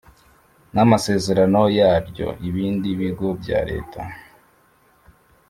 N amasezerano yaryo ibindi bigo bya leta